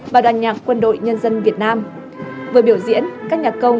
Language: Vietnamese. và đoàn nhạc quân đội nhân dân việt nam